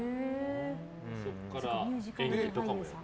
そこから演技とかも？